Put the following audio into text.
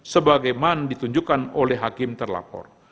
sebagaimana ditunjukkan oleh hakim terlapor